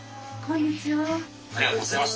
こんにちは。